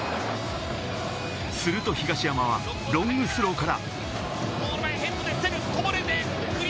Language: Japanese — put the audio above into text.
すると東山はロングスローから。